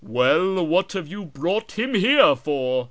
' Well, what have you brought him here for